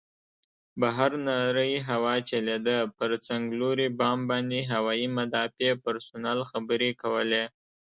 بهر نرۍ هوا چلېده، پر څنګلوري بام باندې هوايي مدافع پرسونل خبرې کولې.